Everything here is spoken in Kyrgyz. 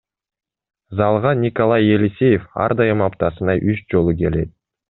Залга Николай Елисеев ар дайым аптасына үч жолу келет.